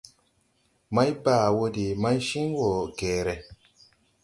Maybaa wɔ de maychin wo geeré.